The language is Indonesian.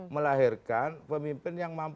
melahirkan pemimpin yang maksimal